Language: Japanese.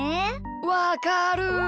わかる。